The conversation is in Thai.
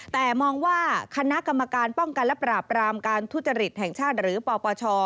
แต่มองว่าคณะกรรมการป้องกันและปราบรามการทุจริตแห่งชาติหรือปปช